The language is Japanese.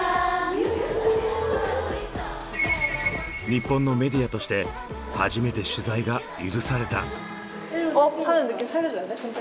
日本のメディアとして初めて取材が許された。